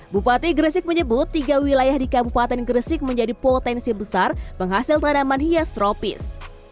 bupati gresik menyebut tiga wilayah di kabupaten gresik menjadi potensi besar penghasil tanaman hias tropis